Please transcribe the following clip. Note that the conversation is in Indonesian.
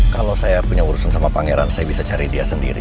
kalau saya punya urusan sama pangeran saya bisa cari dia sendiri